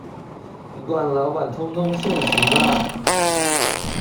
慣老闆通通現形啦